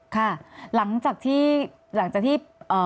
ค่ะหลังจากที่หลังจากที่